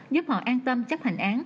giúp họ an tâm chấp hành án